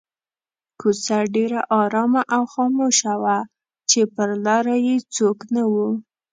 کوڅه ډېره آرامه او خاموشه وه چې پر لاره یې څوک نه وو.